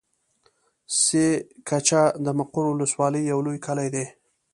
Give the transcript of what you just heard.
سه کېچه د مقر ولسوالي يو لوی کلی دی.